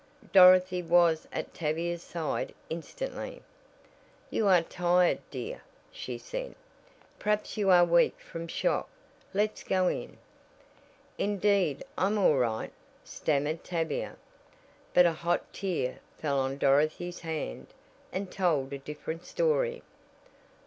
Dorothy was at Tavia's side instantly. "You are tired, dear," she said. "Perhaps you are weak from shock. Let's go in." "Indeed I'm all right " stammered Tavia, but a hot tear fell on Dorothy's hand, and told a different story.